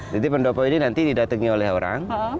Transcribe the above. jadi pendopo ini nanti didatangi oleh orang